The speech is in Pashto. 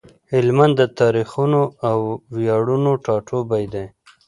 هلمند د تاريخونو او وياړونو ټاټوبی دی۔